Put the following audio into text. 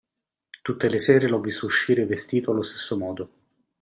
Tutte le sere l'ho visto uscire vestito allo stesso modo.